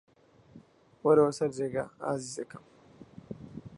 وەرەوە سەر جێگا، ئازیزەکەم.